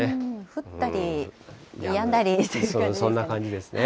降ったりやんだりという感じですかね。